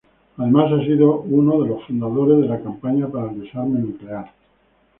Además ha sido uno de los fundadores de la Campaña para el Desarme Nuclear.